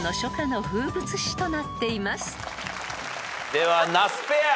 では那須ペア。